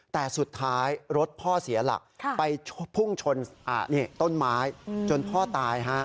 แต่สุดท้ายรถพ่อเสียหลักไปพุ่งชนต้นไม้จนพ่อตาย